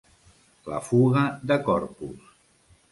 La fuga de Corpus.